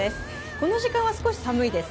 この時間は少し寒いです。